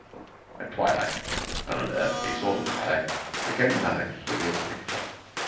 At twilight an unearthly sort of twilight there came another curious picture.